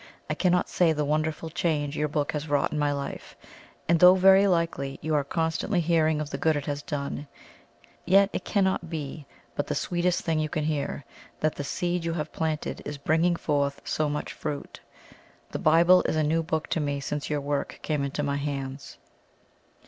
I cannot say the wonderful change your book has wrought in my life, and though very likely you are constantly hearing of the good it has done, yet it cannot but be the sweetest thing you can hear that the seed you have planted is bringing forth so much fruit. ... The Bible is a new book to me since your work came into my hands."